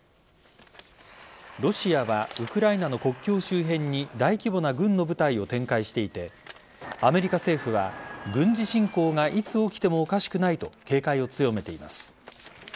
ロシアはウクライナの国境周辺に大規模な軍の部隊を展開していてアメリカ政府は軍事侵攻がいつ起きてもおかしくないと警戒を強めています。